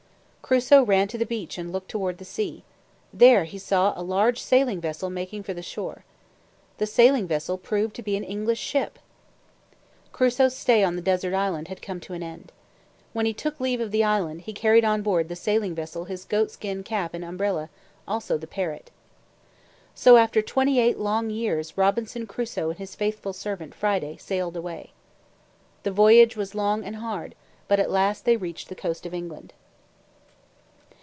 Crusoe ran to the beach and looked toward the sea. There he saw a large sailing vessel making for the shore. The sailing vessel proved to be an English ship. Crusoe's stay on the desert island had come to an end. When he took leave of the island, he carried on board the sailing vessel his goat skin cap and umbrella, also the parrot. So after twenty eight long years Robinson Crusoe and his faithful servant, Friday, sailed away. The voyage was long and hard, but at last they reached the coast of England.